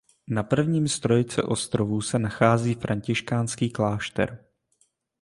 Na prvním z trojice ostrovů se nachází františkánský klášter.